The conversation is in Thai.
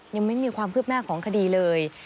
ยังไม่มีความคืบหน้าของคดีเลย